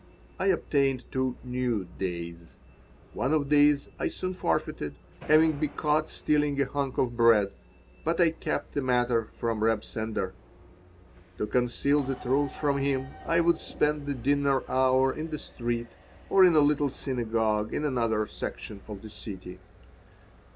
I obtained two new "days." One of these I soon forfeited, having been caught stealing a hunk of bread; but I kept the matter from Reb Sender. To conceal the truth from him I would spend the dinner hour in the street or in a little synagogue in another section of the city.